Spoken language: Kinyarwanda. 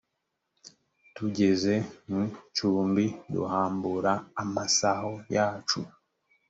tugeze mu icumbi duhambura amasaho yacu